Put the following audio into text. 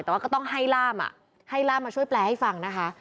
แต่ว่าก็ต้องให้ล่ามให้ล่ามมาช่วยแปลให้ฟังนะคะ